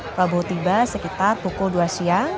prabowo tiba sekitar pukul dua siang